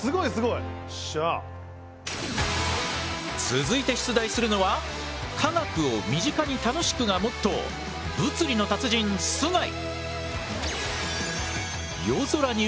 続いて出題するのは科学を身近に楽しくがモットー物理の達人須貝。